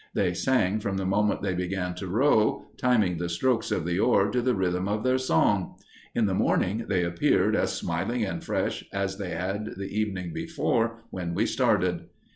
They sang from the moment they began to row, timing the stroke of the oar to the rhythm of their song. In the morning, they appeared as smiling and fresh as they had the evening before when we started.